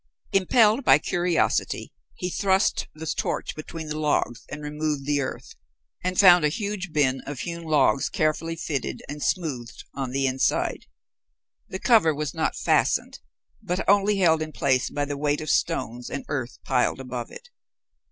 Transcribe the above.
Impelled by curiosity he thrust the torch between the logs and removed the earth, and found a huge bin of hewn logs carefully fitted and smoothed on the inside. The cover was not fastened, but only held in place by the weight of stones and earth piled above it.